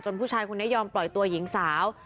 ผู้ชายคนนี้ยอมปล่อยตัวหญิงสาว